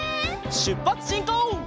しゅっぱつしんこう！